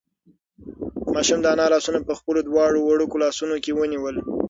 ماشوم د انا لاسونه په خپلو دواړو وړوکو لاسونو کې ونیول.